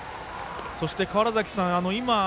そして川原崎さん